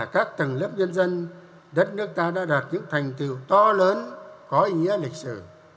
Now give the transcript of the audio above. các tầng lớp nhân dân đất nước ta đã đạt những thành tựu to lớn có ý nghĩa lịch sử